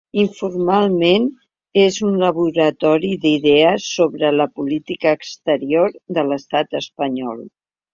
Informalment, és un laboratori d’idees sobre la política exterior de l’estat espanyol.